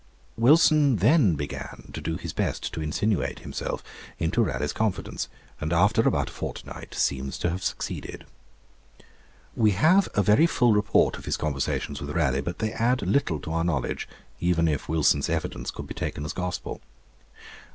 Wilson then began to do his best to insinuate himself into Raleigh's confidence, and after about a fortnight seems to have succeeded. We have a very full report of his conversations with Raleigh, but they add little to our knowledge, even if Wilson's evidence could be taken as gospel.